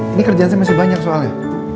ini kerjaan saya masih banyak soalnya